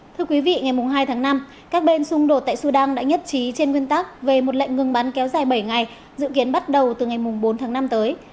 thưa quý vị ngày hai tháng năm các bên xung đột tại sudan đã nhất trí trên nguyên tắc về một lệnh ngừng bắn kéo dài bảy ngày dự kiến bắt đầu từ ngày bốn tháng năm tới